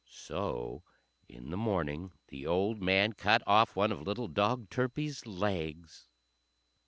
So in the morning the old man cut off one of little dog Turpie's legs.